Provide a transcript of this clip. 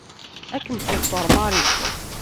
Ad kem-teḍfer Mary.